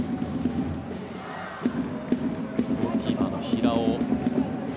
ゴールキーパーの平尾。